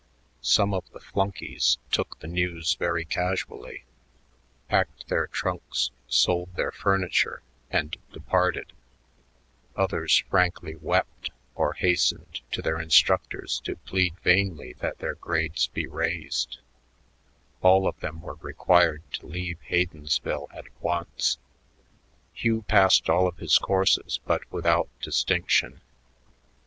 Some of the flunkees took the news very casually, packed their trunks, sold their furniture, and departed; others frankly wept or hastened to their instructors to plead vainly that their grades be raised: all of them were required to leave Haydensville at once. Hugh passed all of his courses but without distinction.